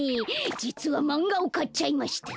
じつはマンガをかっちゃいました。